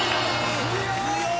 強い！